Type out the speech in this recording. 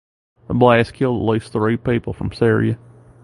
The blast killed at least three people from Syria.